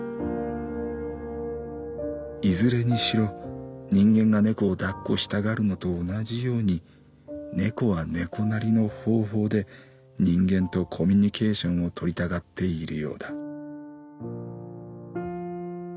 「いずれにしろ人間が猫を抱っこしたがるのと同じように猫は猫なりの方法で人間とコミュニケーションを取りたがっているようだ」。